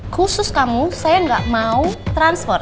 khusus kamu saya nggak mau transfer